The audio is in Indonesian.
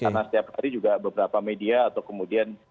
karena setiap hari juga beberapa media atau kemudian